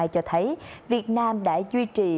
cho thấy việt nam đã duy trì